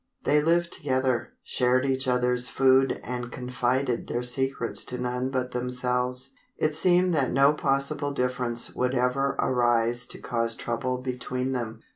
They lived together, shared each other's food and confided their secrets to none but themselves. It seemed that no possible difference would ever arise to cause trouble between them.